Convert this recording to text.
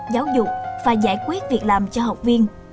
giáo dục và giải quyết việc làm cho học viên